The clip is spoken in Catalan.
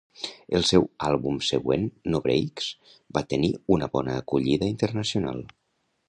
El seu àlbum següent, No Brakes, va tenir una bona acollida internacional.